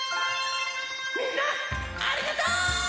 みんなありがとう！